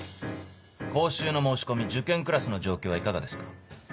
講習の申し込み受験クラスの状況はいかがですか？